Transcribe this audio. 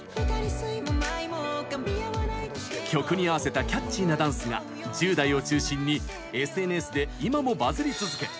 曲に合わせたキャッチーなダンスが１０代を中心にＳＮＳで今もバズり続け